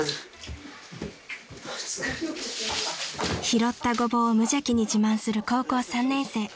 ［拾ったゴボウを無邪気に自慢する高校３年生］